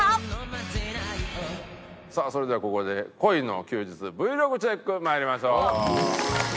さあそれではここで恋の休日Ｖｌｏｇチェック参りましょう。